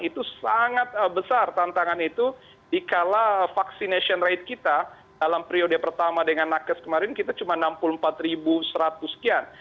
itu sangat besar tantangan itu dikala vaccination rate kita dalam periode pertama dengan nakes kemarin kita cuma enam puluh empat seratus sekian